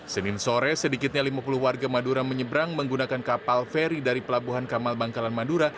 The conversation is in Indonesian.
senin sore sedikitnya lima puluh warga madura menyeberang menggunakan kapal feri dari pelabuhan kamal bangkalan madura